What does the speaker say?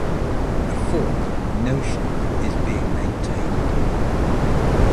A fork, Notion, is being maintained.